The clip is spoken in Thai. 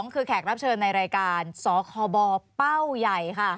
คือแขกรับเชิญในรายการสคบเป้าใหญ่ค่ะ